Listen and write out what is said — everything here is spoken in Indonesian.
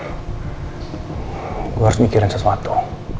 saya harus memikirkan sesuatu